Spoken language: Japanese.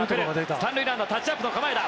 ３塁ランナータッチアップの構えだ。